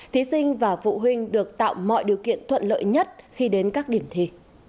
thí sinh và phụ huynh được tạo mọi điều kiện thuận lợi nhất khi đến các điểm thi